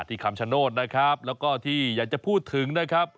คำชโนธนะครับแล้วก็ที่อยากจะพูดถึงนะครับ